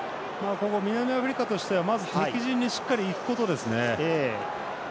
南アフリカとしてはまず敵陣にしっかり、いくことですね。